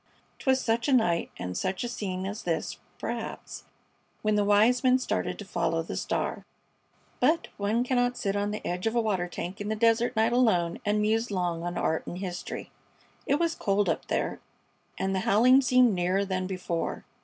'Twas such a night and such a scene as this, perhaps, when the wise men started to follow the star! But one cannot sit on the edge of a water tank in the desert night alone and muse long on art and history. It was cold up there, and the howling seemed nearer than before.